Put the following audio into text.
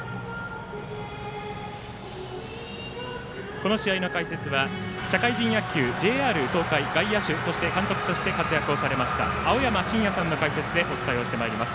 この試合の解説は社会人野球のＪＲ東海で外野手、そして監督として活躍されました青山眞也さんの解説でお伝えをしてまいります。